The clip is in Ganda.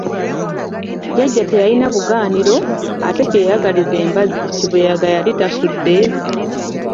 Jjajja teyalina bugaaniro ate kye yayagaliza embazzi kibuyaga yali tasudde?